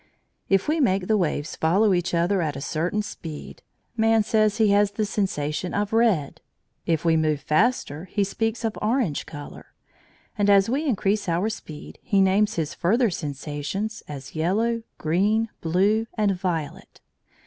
If we make the waves follow each other at a certain speed, man says he has the sensation of red. If we move faster, he speaks of orange colour, and as we increase our speed he names his further sensations as yellow, green, blue, and violet.